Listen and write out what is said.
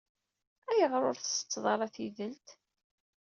Ayɣeṛ ur tsetttteḍ ara tidelt?